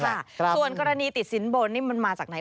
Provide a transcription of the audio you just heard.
ส่วนกรณีติดสินบนนี่มันมาจากไหน